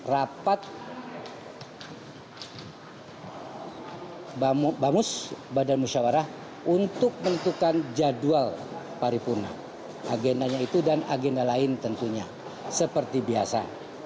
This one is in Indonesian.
rapat bamus badan musyawarah untuk menentukan jadwal paripurna agendanya itu dan agenda lain tentunya seperti biasa